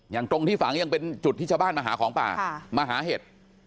ตรงที่ฝังยังเป็นจุดที่ชาวบ้านมาหาของป่ามาหาเห็ด